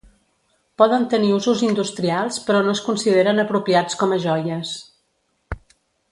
Poden tenir usos industrials però no es consideren apropiats com a joies.